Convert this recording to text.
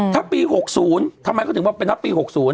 ถ้าปี๖๐ทำไมเขาถึงว่าเป็นนับปี๖๐